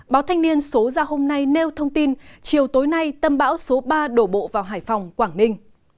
báo thanh niên số ra hôm nay nêu thông tin chiều tối nay tâm bão số ba đổ bộ vào hải phòng quảng ninh